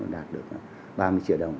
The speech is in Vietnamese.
đạt được ba mươi triệu đồng